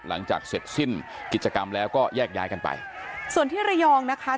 หลังจากเสร็จสิ้นกิจกรรมแล้วก็แยกย้ายกันไปส่วนที่ระยองนะคะ